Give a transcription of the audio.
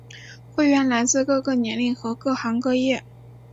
会员来自各个年龄和各行各业。